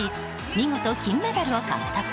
見事、金メダルを獲得。